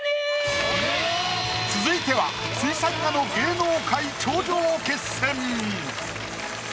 続いては水彩画の芸能界頂上決戦！